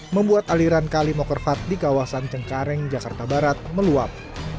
membuat aliran kali mokerfat di kawasan cengkareng jakarta barat meluap